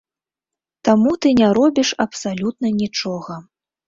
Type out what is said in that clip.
Таму ты не робіш абсалютна нічога.